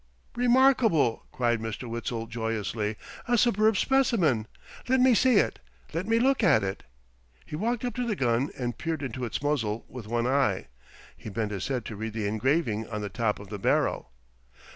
"Remarkable!" cried Mr. Witzel joyously. "A superb specimen. Let me see it. Let me look at it." He walked up to the gun and peered into its muzzle with one eye. He bent his head to read the engraving on the top of the barrel.